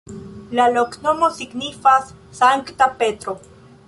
La loknomo signifas: Sankta Petro.